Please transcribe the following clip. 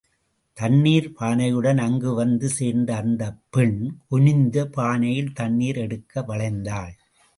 தண்ணீர் பானையுடன் அங்கு வந்து சேர்ந்த அந்தப்பெண், குனிந்து பானையில் தண்ணீர் எடுக்க வளைந்தாள்.